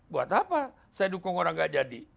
buat apa saya dukung orang gak jadi